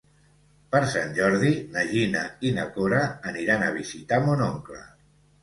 Per Sant Jordi na Gina i na Cora aniran a visitar mon oncle.